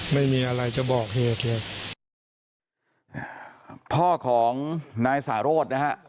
ไม่มีอะไรจะบอกเหตุเลยพ่อของนายสาโรธนะฮะ